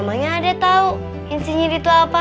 namanya adek tau insinyur itu apa